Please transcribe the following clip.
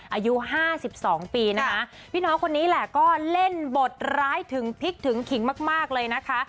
อายุห้าสิบสองปีนะคะพี่น้องคนนี้แหละก็เล่นบทร้ายถึงพิกถึงขิงมากเลยนะคะ